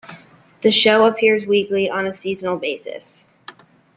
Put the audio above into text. The show appears weekly on a seasonal basis.